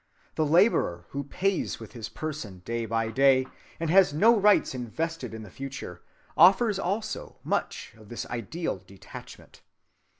The laborer who pays with his person day by day, and has no rights invested in the future, offers also much of this ideal detachment.